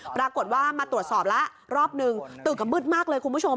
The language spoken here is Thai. ปรากฏว่ามาตรวจสอบแล้วรอบนึงตื่นกับมืดมากเลยคุณผู้ชม